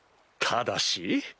ただし？